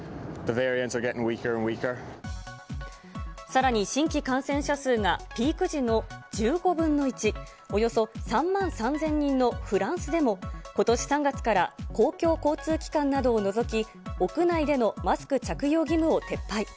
さらに新規感染者数がピーク時の１５分の１、およそ３万３０００人のフランスでも、ことし３月から公共交通機関などを除き、屋内でのマスク着用義務を撤廃。